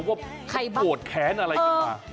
ใครบ้างโหดแขนอะไรกันมาเออ